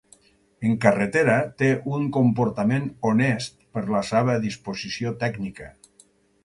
En carretera té un comportament honest per la seva disposició tècnica.